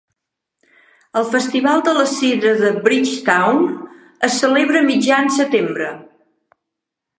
El Festival de la Sidra de Bridgetown es celebra a mitjans setembre.